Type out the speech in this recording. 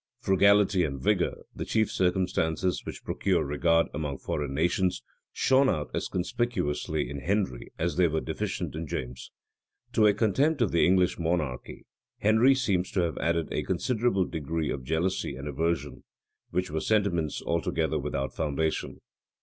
Frugality and vigor, the chief circumstances which procure regard among foreign nations, shone out as conspicuously in Henry as they were deficient in James. To a contempt of the English monarch, Henry seems to have added a considerable degree of jealousy and aversion, which were sentiments altogether without foundation.